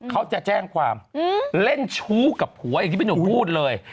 เขาจะแจ้งความเล่นชู้กับผัวอย่างที่พี่หนุ่มพูดเลย